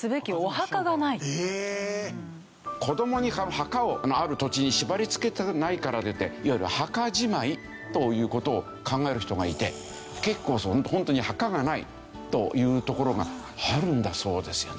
子供を墓のある土地に縛りつけたくないからといっていわゆる墓じまいという事を考える人がいて結構ホントに墓がないというところがあるんだそうですよ。